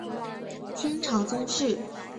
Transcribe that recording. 清朝宗室。